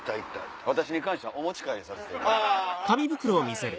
私に関してはお持ち帰りさせていただきました。